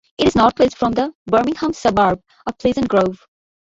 It is northwest from the Birmingham suburb of Pleasant Grove.